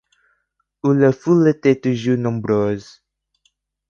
où la foule était toujours nombreuse.